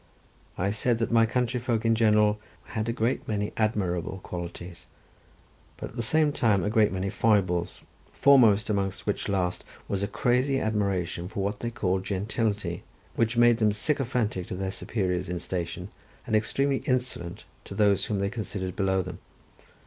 I said that my country folk in general had a great many admirable qualities, but at the same time a great many foibles, foremost amongst which last was a crazy admiration for what they called gentility, which made them sycophantic to their superiors in station, and extremely insolent to those whom they considered below them.